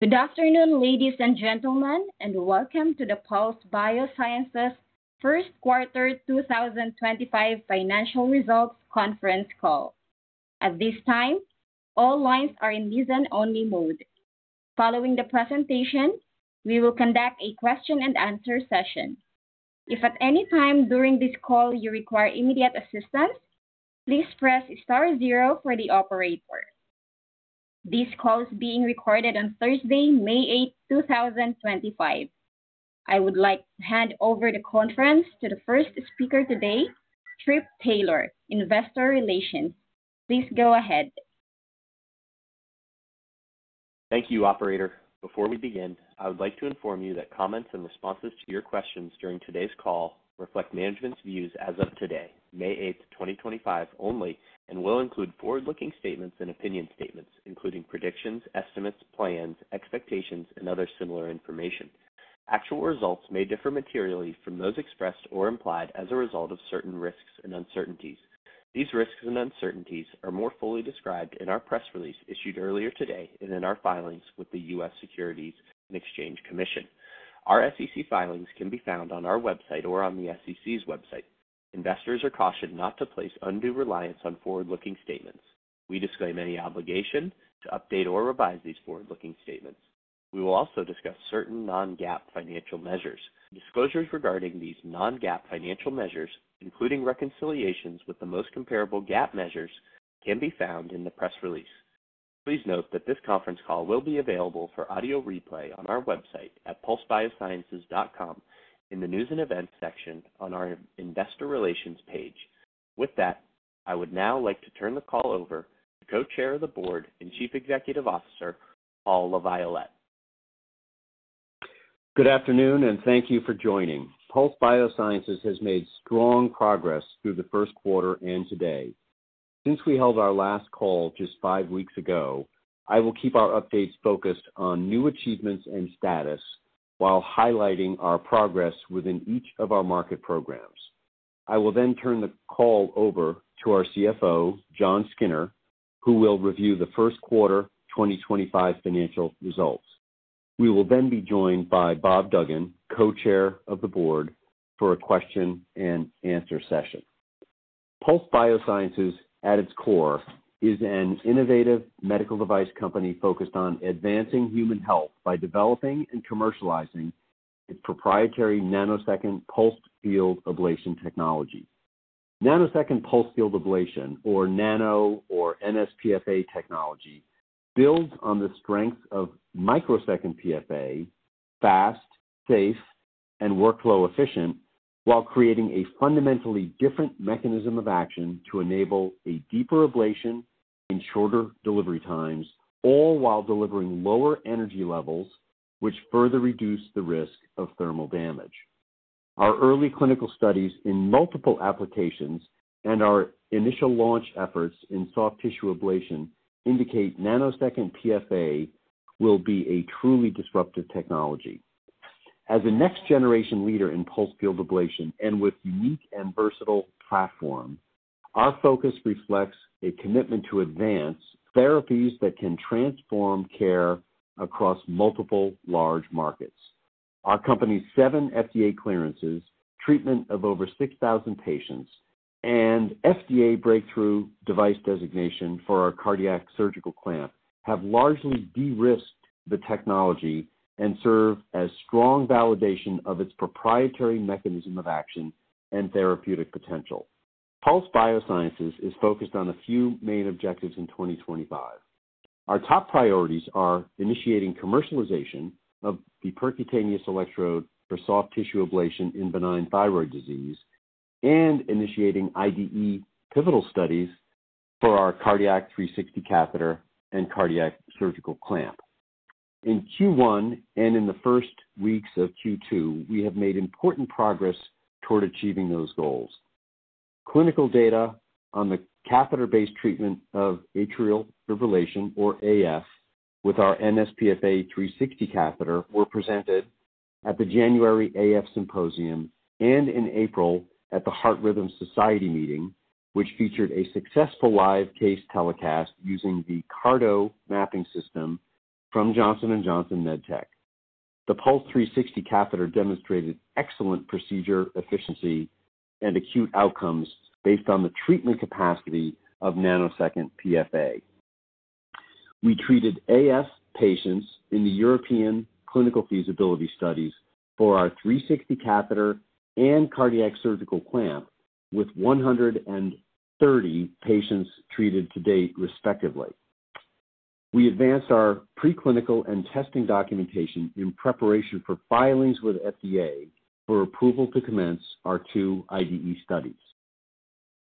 Good afternoon, ladies and gentlemen, and welcome to the Pulse Biosciences First Quarter 2025 Financial Results Conference Call. At this time, all lines are in listen-only mode. Following the presentation, we will conduct a question-and-answer session. If at any time during this call you require immediate assistance, please press star zero for the operator. This call is being recorded on Thursday, May 8, 2025. I would like to hand over the conference to the first speaker today, Trip Taylor, Investor Relations. Please go ahead. Thank you, Operator. Before we begin, I would like to inform you that comments and responses to your questions during today's call reflect management's views as of today, May 8, 2025, only, and will include forward-looking statements and opinion statements, including predictions, estimates, plans, expectations, and other similar information. Actual results may differ materially from those expressed or implied as a result of certain risks and uncertainties. These risks and uncertainties are more fully described in our press release issued earlier today and in our filings with the U.S. Securities and Exchange Commission. Our SEC filings can be found on our website or on the SEC's website. Investors are cautioned not to place undue reliance on forward-looking statements. We disclaim any obligation to update or revise these forward-looking statements. We will also discuss certain non-GAAP financial measures. Disclosures regarding these non-GAAP financial measures, including reconciliations with the most comparable GAAP measures, can be found in the press release. Please note that this conference call will be available for audio replay on our website at pulsebiosciences.com in the News and Events section on our Investor Relations page. With that, I would now like to turn the call over to Co-Chair of the Board and Chief Executive Officer, Paul LaViolette. Good afternoon, and thank you for joining. Pulse Biosciences has made strong progress through the first quarter and today. Since we held our last call just five weeks ago, I will keep our updates focused on new achievements and status while highlighting our progress within each of our market programs. I will then turn the call over to our CFO, Jon Skinner, who will review the First Quarter 2025 Financial Results. We will then be joined by Bob Duggan, Co-Chair of the Board, for a question-and-answer session. Pulse Biosciences, at its core, is an innovative medical device company focused on advancing human health by developing and commercializing its proprietary nanosecond pulsed field ablation technology. Nanosecond pulsed field ablation, or nano or nsPFA technology, builds on the strengths of microsecond PFA, fast, safe, and workflow efficient, while creating a fundamentally different mechanism of action to enable a deeper ablation in shorter delivery times, all while delivering lower energy levels, which further reduce the risk of thermal damage. Our early clinical studies in multiple applications and our initial launch efforts in soft tissue ablation indicate nanosecond PFA will be a truly disruptive technology. As a next-generation leader in pulsed field ablation and with a unique and versatile platform, our focus reflects a commitment to advance therapies that can transform care across multiple large markets. Our company's seven FDA clearances, treatment of over 6,000 patients, and FDA breakthrough device designation for our cardiac surgical clamp have largely de-risked the technology and serve as strong validation of its proprietary mechanism of action and therapeutic potential. Pulse Biosciences is focused on a few main objectives in 2025. Our top priorities are initiating commercialization of the percutaneous electrode for soft tissue ablation in benign thyroid disease and initiating IDE pivotal studies for our cardiac 360 catheter and cardiac surgical clamp. In Q1 and in the first weeks of Q2, we have made important progress toward achieving those goals. Clinical data on the catheter-based treatment of atrial fibrillation, or AF, with our nsPFA 360 catheter were presented at the January AF Symposium and in April at the Heart Rhythm Society meeting, which featured a successful live case telecast using the CARTO mapping system from Jonson & Jonson MedTech. The Pulse 360 catheter demonstrated excellent procedure efficiency and acute outcomes based on the treatment capacity of nanosecond PFA. We treated AF patients in the European clinical feasibility studies for our 360 catheter and cardiac surgical clamp with 130 patients treated to date, respectively. We advanced our pre-clinical and testing documentation in preparation for filings with FDA for approval to commence our two IDE studies.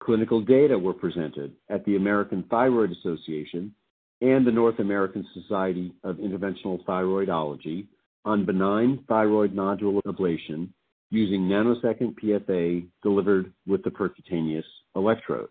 Clinical data were presented at the American Thyroid Association and the North American Society of Interventional Thyroidology on benign thyroid nodule ablation using nanosecond PFA delivered with the percutaneous electrode.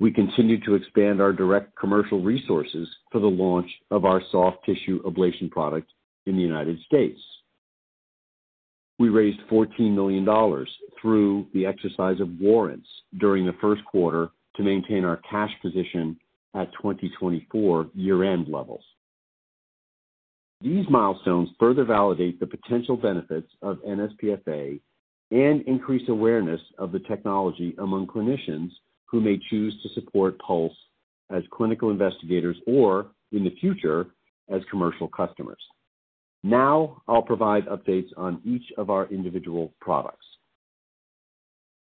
We continue to expand our direct commercial resources for the launch of our soft tissue ablation product in the United States. We raised $14 million through the exercise of warrants during the first quarter to maintain our cash position at 2024 year-end levels. These milestones further validate the potential benefits of nsPFA and increase awareness of the technology among clinicians who may choose to support Pulse as clinical investigators or, in the future, as commercial customers. Now, I'll provide updates on each of our individual products.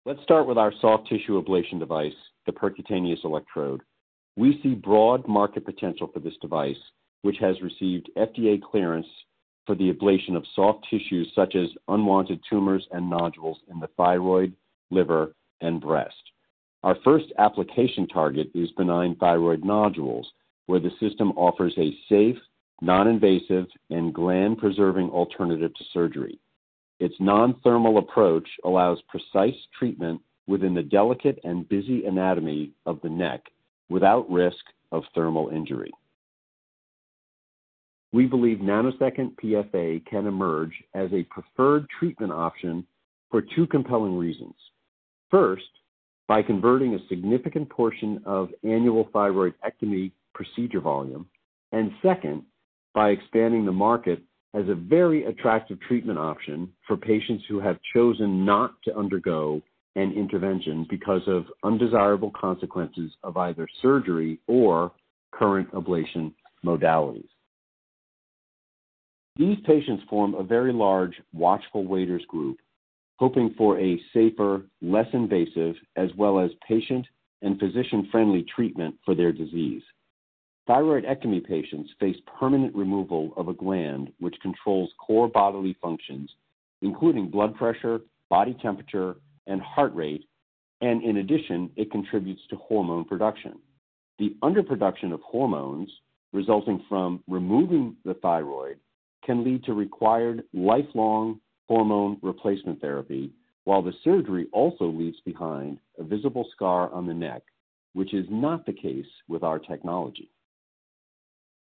Let's start with our soft tissue ablation device, the percutaneous electrode. We see broad market potential for this device, which has received FDA clearance for the ablation of soft tissues such as unwanted tumors and nodules in the thyroid, liver, and breast. Our first application target is benign thyroid nodules, where the system offers a safe, non-invasive, and gland-preserving alternative to surgery. Its non-thermal approach allows precise treatment within the delicate and busy anatomy of the neck without risk of thermal injury. We believe nanosecond PFA can emerge as a preferred treatment option for two compelling reasons. First, by converting a significant portion of annual thyroidectomy procedure volume, and second, by expanding the market as a very attractive treatment option for patients who have chosen not to undergo an intervention because of undesirable consequences of either surgery or current ablation modalities. These patients form a very large watchful waiters group, hoping for a safer, less invasive, as well as patient and physician-friendly treatment for their disease. Thyroidectomy patients face permanent removal of a gland which controls core bodily functions, including blood pressure, body temperature, and heart rate, and in addition, it contributes to hormone production. The underproduction of hormones resulting from removing the thyroid can lead to required lifelong hormone replacement therapy, while the surgery also leaves behind a visible scar on the neck, which is not the case with our technology.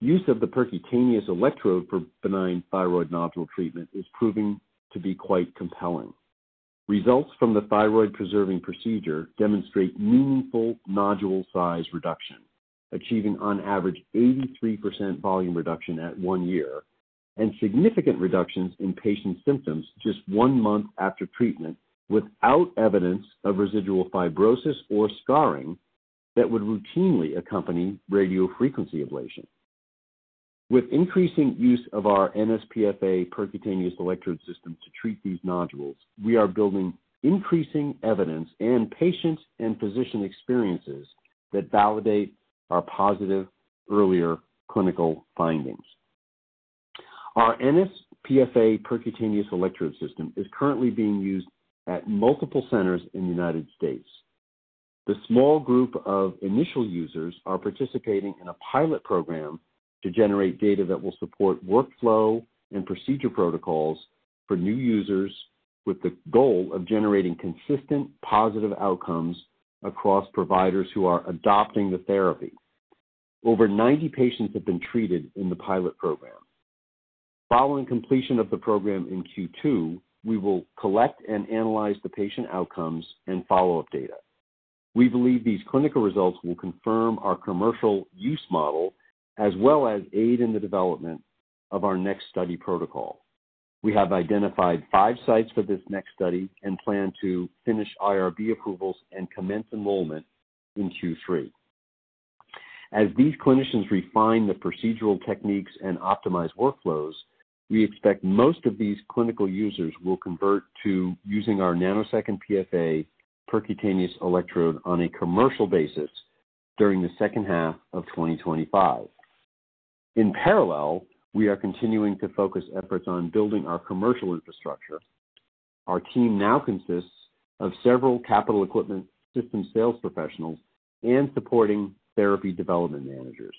Use of the percutaneous electrode for benign thyroid nodule treatment is proving to be quite compelling. Results from the thyroid-preserving procedure demonstrate meaningful nodule size reduction, achieving on average 83% volume reduction at one year, and significant reductions in patient symptoms just one month after treatment without evidence of residual fibrosis or scarring that would routinely accompany radiofrequency ablation. With increasing use of our nsPFA percutaneous electrode system to treat these nodules, we are building increasing evidence and patient and physician experiences that validate our positive earlier clinical findings. Our nsPFA percutaneous electrode system is currently being used at multiple centers in the United States. The small group of initial users are participating in a pilot program to generate data that will support workflow and procedure protocols for new users, with the goal of generating consistent positive outcomes across providers who are adopting the therapy. Over 90 patients have been treated in the pilot program. Following completion of the program in Q2, we will collect and analyze the patient outcomes and follow-up data. We believe these clinical results will confirm our commercial use model as well as aid in the development of our next study protocol. We have identified five sites for this next study and plan to finish IRB approvals and commence enrollment in Q3. As these clinicians refine the procedural techniques and optimize workflows, we expect most of these clinical users will convert to using our nanosecond PFA percutaneous electrode on a commercial basis during the second half of 2025. In parallel, we are continuing to focus efforts on building our commercial infrastructure. Our team now consists of several capital equipment system sales professionals and supporting therapy development managers.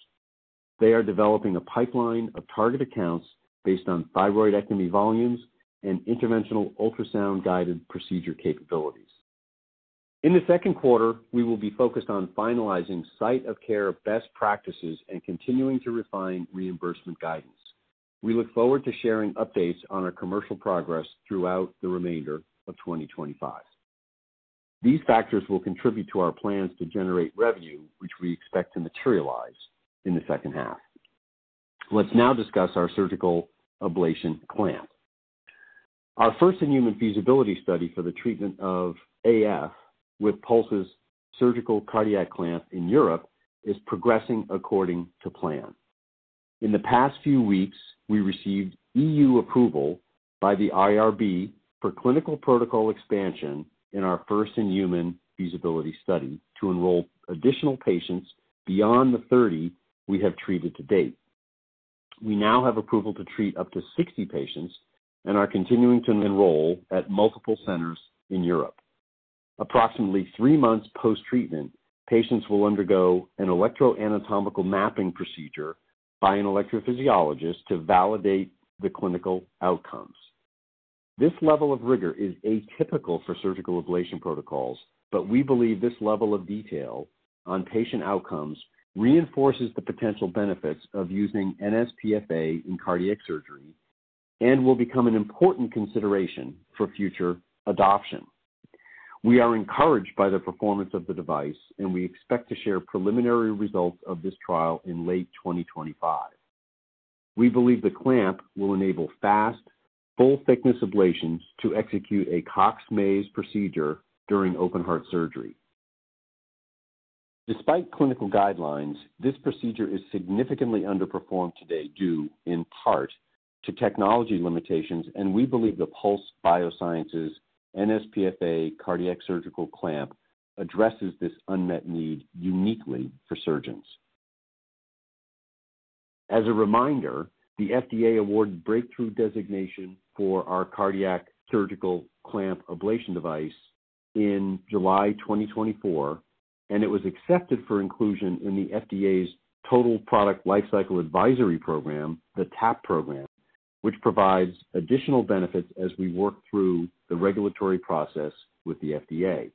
They are developing a pipeline of target accounts based on thyroidectomy volumes and interventional ultrasound-guided procedure capabilities. In the second quarter, we will be focused on finalizing site-of-care best practices and continuing to refine reimbursement guidance. We look forward to sharing updates on our commercial progress throughout the remainder of 2025. These factors will contribute to our plans to generate revenue, which we expect to materialize in the second half. Let's now discuss our surgical ablation clamp. Our first in-human feasibility study for the treatment of AF with Pulse's surgical cardiac clamp in Europe is progressing according to plan. In the past few weeks, we received EU approval by the IRB for clinical protocol expansion in our first in-human feasibility study to enroll additional patients beyond the 30 we have treated to date. We now have approval to treat up to 60 patients and are continuing to enroll at multiple centers in Europe. Approximately three months post-treatment, patients will undergo an electroanatomical mapping procedure by an electrophysiologist to validate the clinical outcomes. This level of rigor is atypical for surgical ablation protocols, but we believe this level of detail on patient outcomes reinforces the potential benefits of using nsPFA in cardiac surgery and will become an important consideration for future adoption. We are encouraged by the performance of the device, and we expect to share preliminary results of this trial in late 2025. We believe the clamp will enable fast, full-thickness ablations to execute a Cox-Maze procedure during open-heart surgery. Despite clinical guidelines, this procedure is significantly underperformed today due, in part, to technology limitations, and we believe the Pulse Biosciences nsPFA cardiac surgical clamp addresses this unmet need uniquely for surgeons. As a reminder, the FDA awarded breakthrough designation for our cardiac surgical clamp ablation device in July 2024, and it was accepted for inclusion in the FDA's Total Product Lifecycle Advisory Program, the TAP Program, which provides additional benefits as we work through the regulatory process with the FDA.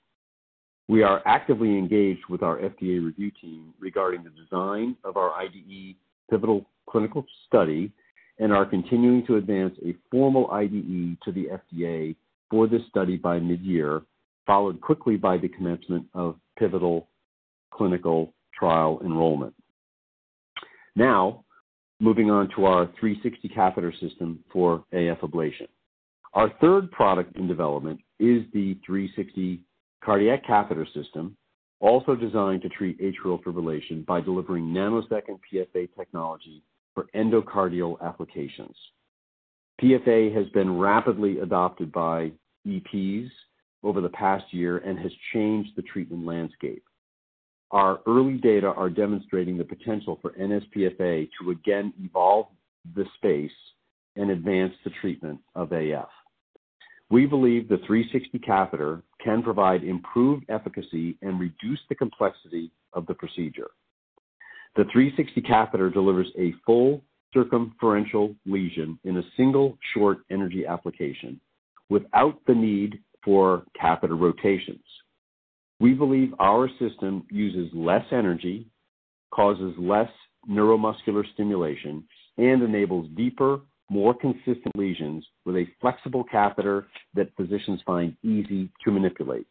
We are actively engaged with our FDA review team regarding the design of our IDE pivotal clinical study and are continuing to advance a formal IDE to the FDA for this study by mid-year, followed quickly by the commencement of pivotal clinical trial enrollment. Now, moving on to our 360 catheter system for AF ablation. Our third product in development is the 360 cardiac catheter system, also designed to treat atrial fibrillation by delivering nanosecond PFA technology for endocardial applications. PFA has been rapidly adopted by EPs over the past year and has changed the treatment landscape. Our early data are demonstrating the potential for nsPFA to again evolve the space and advance the treatment of AF. We believe the 360 catheter can provide improved efficacy and reduce the complexity of the procedure. The 360 catheter delivers a full circumferential lesion in a single short energy application without the need for catheter rotations. We believe our system uses less energy, causes less neuromuscular stimulation, and enables deeper, more consistent lesions with a flexible catheter that physicians find easy to manipulate.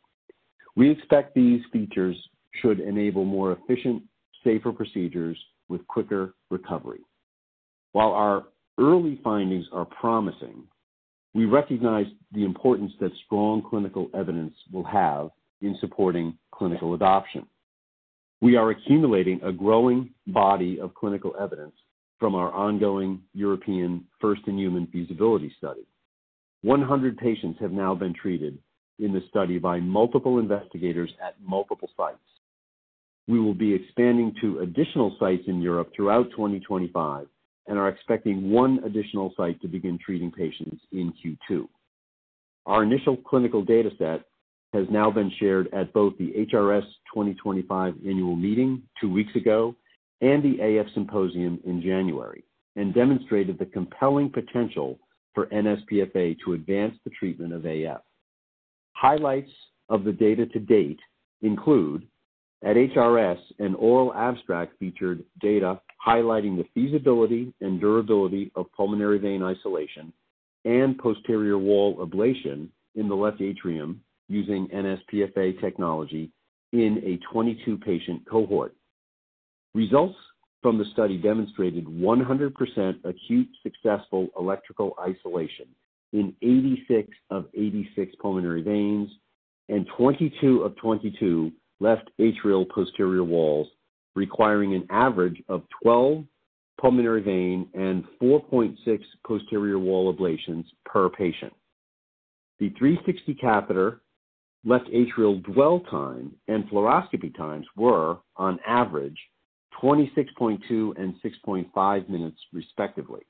We expect these features should enable more efficient, safer procedures with quicker recovery. While our early findings are promising, we recognize the importance that strong clinical evidence will have in supporting clinical adoption. We are accumulating a growing body of clinical evidence from our ongoing European first in-human feasibility study. One hundred patients have now been treated in the study by multiple investigators at multiple sites. We will be expanding to additional sites in Europe throughout 2025 and are expecting one additional site to begin treating patients in Q2. Our initial clinical data set has now been shared at both the HRS 2025 annual meeting two weeks ago and the AF Symposium in January and demonstrated the compelling potential for nsPFA to advance the treatment of AF. Highlights of the data to date include at HRS, an oral abstract featured data highlighting the feasibility and durability of pulmonary vein isolation and posterior wall ablation in the left atrium using nsPFA technology in a 22-patient cohort. Results from the study demonstrated 100% acute successful electrical isolation in 86 of 86 pulmonary veins and 22 of 22 left atrial posterior walls, requiring an average of 12 pulmonary vein and 4.6 posterior wall ablations per patient. The 360 catheter left atrial dwell time and fluoroscopy times were, on average, 26.2 and 6.5 minutes, respectively.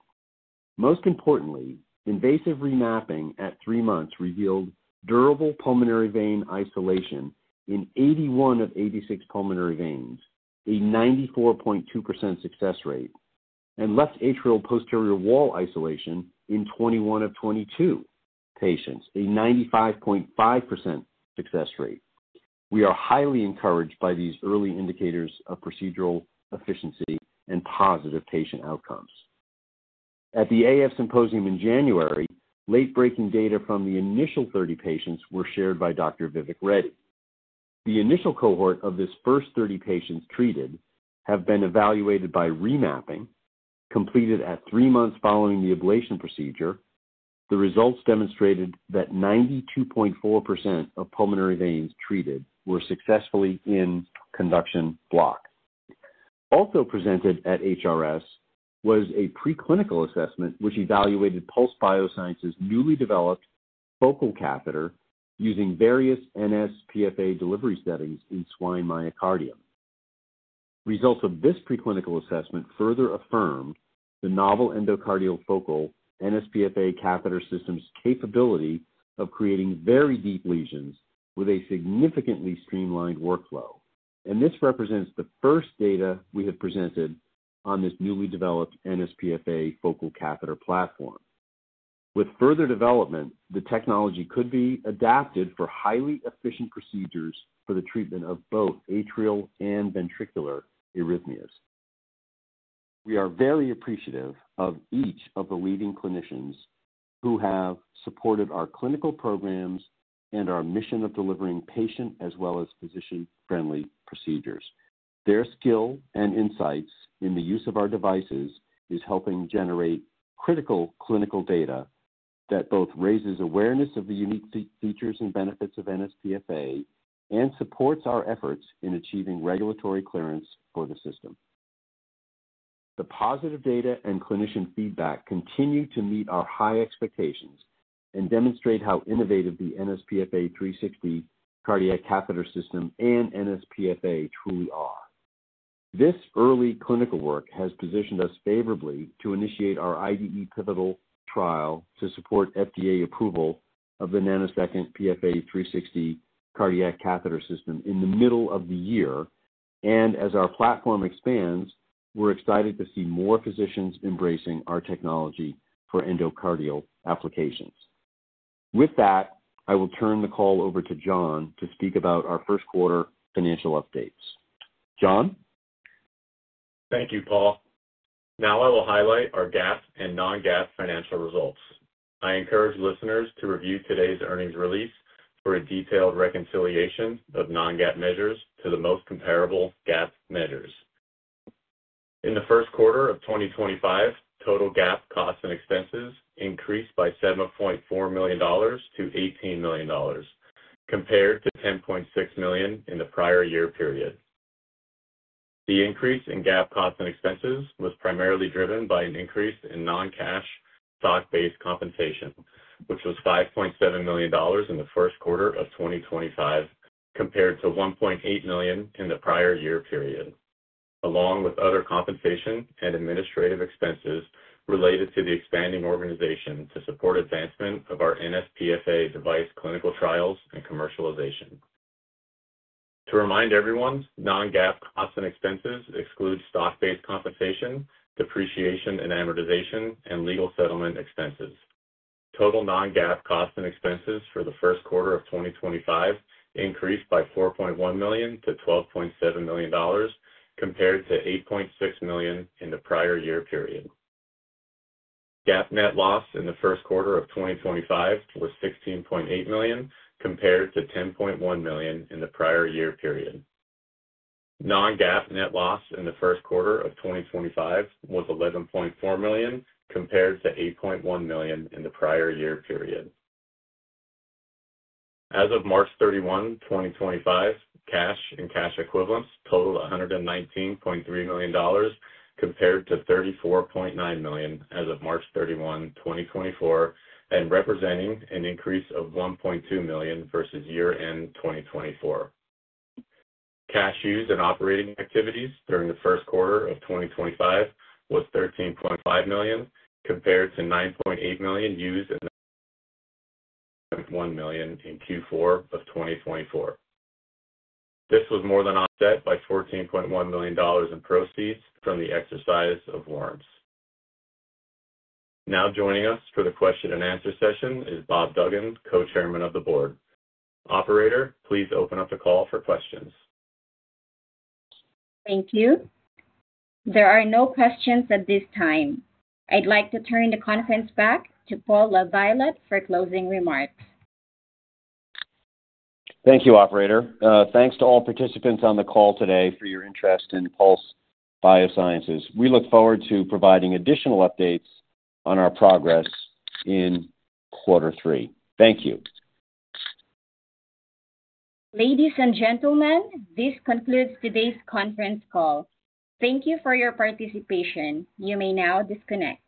Most importantly, invasive remapping at three months revealed durable pulmonary vein isolation in 81 of 86 pulmonary veins, a 94.2% success rate, and left atrial posterior wall isolation in 21 of 22 patients, a 95.5% success rate. We are highly encouraged by these early indicators of procedural efficiency and positive patient outcomes. At the AF Symposium in January, late-breaking data from the initial 30 patients were shared by Dr. Vick Reddy. The initial cohort of this first 30 patients treated have been evaluated by remapping completed at three months following the ablation procedure. The results demonstrated that 92.4% of pulmonary veins treated were successfully in conduction block. Also presented at HRS was a preclinical assessment which evaluated Pulse Biosciences' newly developed focal catheter using various nsPFA delivery settings in swine myocardium. Results of this preclinical assessment further affirm the novel endocardial focal nsPFA catheter system's capability of creating very deep lesions with a significantly streamlined workflow, and this represents the first data we have presented on this newly developed nsPFA focal catheter platform. With further development, the technology could be adapted for highly efficient procedures for the treatment of both atrial and ventricular arrhythmias. We are very appreciative of each of the leading clinicians who have supported our clinical programs and our mission of delivering patient as well as physician-friendly procedures. Their skill and insights in the use of our devices are helping generate critical clinical data that both raises awareness of the unique features and benefits of nsPFA and supports our efforts in achieving regulatory clearance for the system. The positive data and clinician feedback continue to meet our high expectations and demonstrate how innovative the nsPFA 360 cardiac catheter system and nsPFA truly are. This early clinical work has positioned us favorably to initiate our IDE pivotal trial to support FDA approval of the nanosecond PFA 360 cardiac catheter system in the middle of the year, and as our platform expands, we're excited to see more physicians embracing our technology for endocardial applications. With that, I will turn the call over to Jon to speak about our first quarter financial updates. Jon? Thank you, Paul. Now, I will highlight our GAAP and non-GAAP financial results. I encourage listeners to review today's earnings release for a detailed reconciliation of non-GAAP measures to the most comparable GAAP measures. In the first quarter of 2025, total GAAP costs and expenses increased by $7.4 million to $18 million, compared to $10.6 million in the prior year period. The increase in GAAP costs and expenses was primarily driven by an increase in non-cash stock-based compensation, which was $5.7 million in the first quarter of 2025, compared to $1.8 million in the prior year period, along with other compensation and administrative expenses related to the expanding organization to support advancement of our nsPFA device clinical trials and commercialization. To remind everyone, non-GAAP costs and expenses exclude stock-based compensation, depreciation and amortization, and legal settlement expenses. Total non-GAAP costs and expenses for the first quarter of 2025 increased by $4.1 million to $12.7 million, compared to $8.6 million in the prior year period. GAAP net loss in the first quarter of 2025 was $16.8 million, compared to $10.1 million in the prior year period. Non-GAAP net loss in the first quarter of 2025 was $11.4 million, compared to $8.1 million in the prior year period. As of March 31, 2025, cash and cash equivalents totaled $119.3 million, compared to $34.9 million as of March 31, 2024, and representing an increase of $1.2 million versus year-end 2024. Cash used in operating activities during the first quarter of 2025 was $13.5 million, compared to $9.8 million used and $1.1 million in Q4 of 2024. This was more than offset by $14.1 million in proceeds from the exercise of warrants. Now joining us for the question and answer session is Bob Duggan, Co-Chair of the Board. Operator, please open up the call for questions. Thank you. There are no questions at this time. I'd like to turn the conference back to Paul LaViolette for closing remarks. Thank you, Operator. Thanks to all participants on the call today for your interest in Pulse Biosciences. We look forward to providing additional updates on our progress in quarter three. Thank you. Ladies and gentlemen, this concludes today's conference call. Thank you for your participation. You may now disconnect.